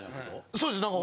そうです